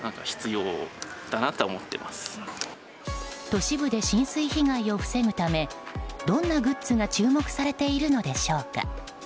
都市部で浸水被害を防ぐためどんなグッズが注目されているのでしょうか。